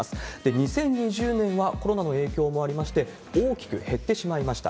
２０２０年はコロナの影響もありまして、大きく減ってしまいました。